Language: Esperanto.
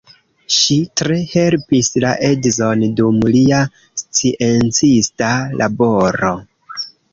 Ŝi tre helpis la edzon dum lia sciencista laboro.